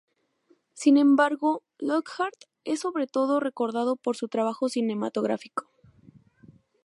Sin embargo, Lockhart es sobre todo recordado por su trabajo cinematográfico.